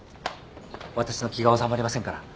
私の気が治まりませんから